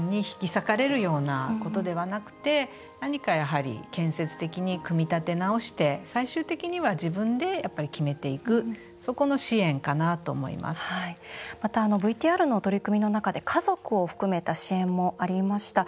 二律背反に引き裂かれるということではなくて何か建設的に組み立て直して最終的には自分で、決めていくまた、ＶＴＲの取り組みの中で家族を含めた支援もありました